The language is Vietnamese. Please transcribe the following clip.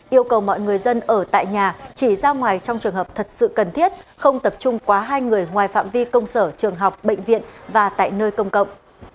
yêu cầu mọi người dân ở tại nhà chỉ ra ngoài trong trường hợp thật sự cần thiết không tập trung quá hai người ngoài phạm vi công sở trường học bệnh viện và tại nơi công cộng